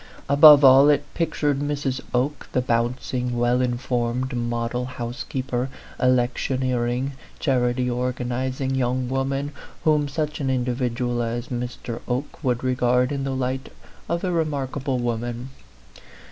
above all, it pictured Mrs. Oke, the bouncing, well informed, model housekeeper, election eering, charity organizing young woman, whom such an individual as Mr. Oke would regard in the light of a remarkable woman.